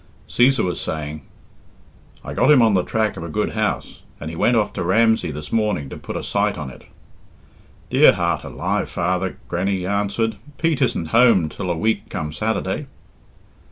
Cæsar was saying "I got him on the track of a good house, and he went off to Ramsey this morning to put a sight on it." "Dear heart alive, father!" Grannie answered, "Pete isn't home till a week come Saturday."